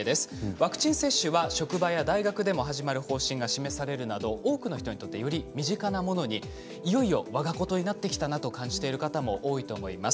ワクチン接種は職場や大学でも始まる方針が示されるなど多くの人にとってより身近なものにいよいよわがことになってきたなと感じている方も多いと思います。